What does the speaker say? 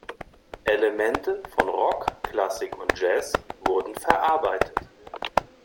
Elemente von Rock, Klassik und Jazz wurden verarbeitet.